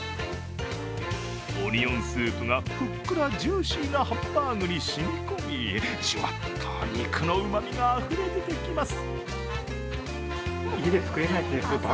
オニオンスープが、ふっくらジューシーなハンバーグにしみ込みじゅわっと肉のうまみがあふれ出てきます。